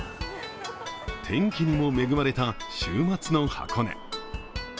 天気にも恵まれた週末の箱根。